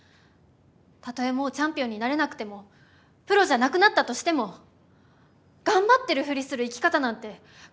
たとえもうチャンピオンになれなくてもプロじゃなくなったとしても頑張ってるフリする生き方なんてかっこ悪いですよ！